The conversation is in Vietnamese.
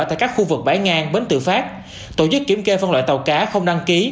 tại các khu vực bãi ngang bến tự phát tổ chức kiểm kê phân loại tàu cá không đăng ký